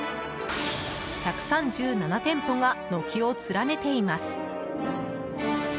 １３７店舗が軒を連ねています。